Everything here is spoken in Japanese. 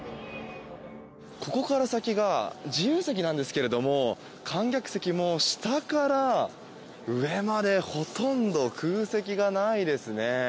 ここから先が自由席なんですけれども観客席も下から上までほとんど空席がないですね。